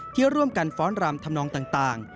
ที่ร่วมกันฟ้อนรำทำนองต่าง